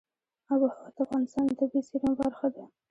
آب وهوا د افغانستان د طبیعي زیرمو برخه ده.